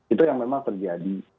itu yang memang terjadi